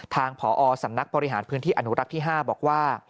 ทางผอสำนักบริหารพื้นที่อนุรักษ์ที่๕บอกว่า